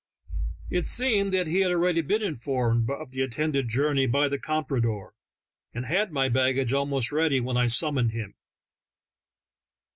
It seemed that he had already been informed of the intended journey by the comprador, and had my baggage almost ready when I summoned him.